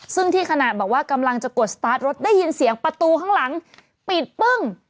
ซึ่งที่ขณะบอกว่ากำลังจะกดสตาร์ทรถได้ยินเสียงประตูข้างหลังปิดปึ้ง